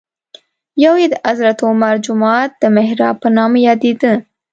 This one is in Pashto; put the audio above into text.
یو یې د حضرت عمر جومات د محراب په نامه یادېده.